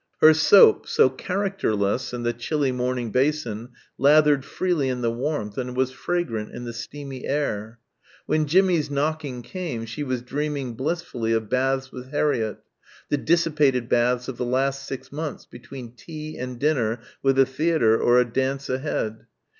Her soap, so characterless in the chilly morning basin lathered freely in the warmth and was fragrant in the steamy air. When Jimmie's knocking came she was dreaming blissfully of baths with Harriett the dissipated baths of the last six months between tea and dinner with a theatre or a dance ahead.